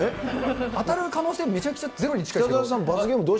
当たる可能性、めちゃめちゃゼロに近いですけど。